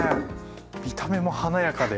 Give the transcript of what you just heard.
見た目も華やかで。